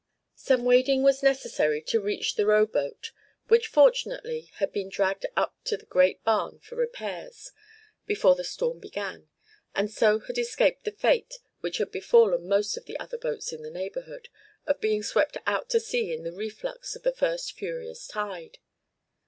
Some wading was necessary to reach the row boat, which fortunately had been dragged up to the great barn for repairs before the storm began, and so had escaped the fate which had befallen most of the other boats in the neighborhood, of being swept out to sea in the reflux of the first furious tide.